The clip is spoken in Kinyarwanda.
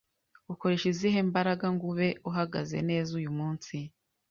Ukoresha izihe mbaraga ngo ube uhagaze neza uyu munsi